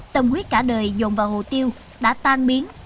tâm huyết cả đời dồn vào hồ tiêu đã tan biến